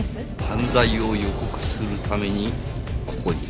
犯罪を予告するためにここに来た。